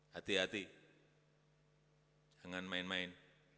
hati hati jangan main main